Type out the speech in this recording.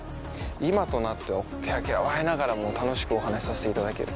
今となってはケラケラ笑いながら楽しくお話しさせていただける。